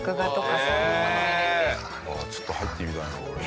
ああちょっと入ってみたいなこれ。